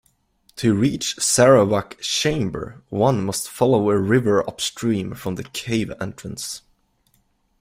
To reach Sarawak Chamber, one must follow a river upstream from the cave entrance.